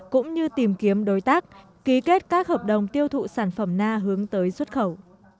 cũng như tìm kiếm đối tác ký kết các hợp đồng tiêu thụ sản phẩm na hướng tới xuất khẩu